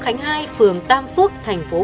chỉ là không có ý thức